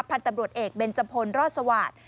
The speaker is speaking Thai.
พันธุ์ตำรวจเอกเบนจพลรอดสวาสตร์